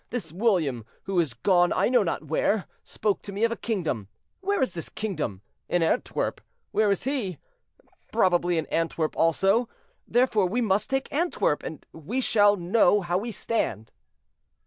This William, who is gone I know not where, spoke to me of a kingdom. Where is this kingdom?—in Antwerp. Where is he?—probably in Antwerp also; therefore we must take Antwerp, and we shall know how we stand."